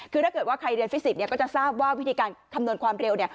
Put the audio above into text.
คือถ้าเกิดว่าใครเรียนฟิศิภก็จะทราบว่าวิธีการคำนวณความเร็ว